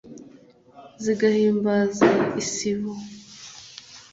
Zigahimbaza isibo,